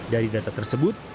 dari data tersebut